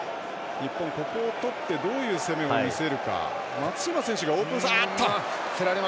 日本、ここを取ってどういう攻めを見せるか。